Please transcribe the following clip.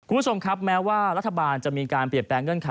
คุณผู้ชมครับแม้ว่ารัฐบาลจะมีการเปลี่ยนแปลงเงื่อนไข